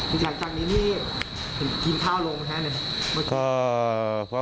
อืมหลังจากนี้นี่คุณกินข้าวลงแล้วนะ